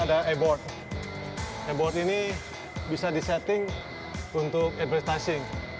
ada e board e board ini bisa disetting untuk advertising